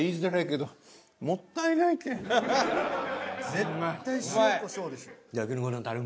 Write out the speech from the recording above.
絶対塩こしょうでしょ。